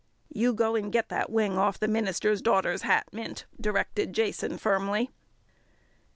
"You go and get the wing off the minister's daughter's hat, Mint," directed Jason firmly.